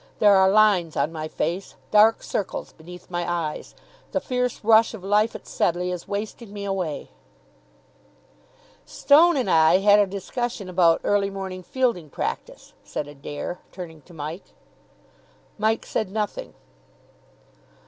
"There are lines on my face, dark circles beneath my eyes. The fierce rush of life at Sedleigh is wasting me away." "Stone and I had a discussion about early morning fielding practice," said Adair, turning to Mike. Mike said nothing.